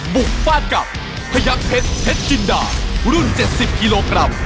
ฟาดกับพยักเพชรเพชรจินดารุ่น๗๐กิโลกรัม